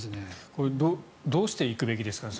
これはどうしていくべきですかね。